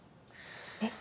えっ？